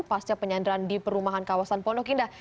pasca penyandaran di perumahan kawasan pondokinda